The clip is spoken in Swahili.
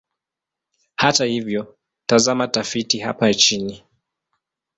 Hata hivyo, tazama tafiti hapa chini.